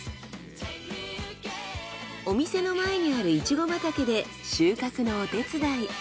お店の前にあるイチゴ畑で収穫のお手伝い。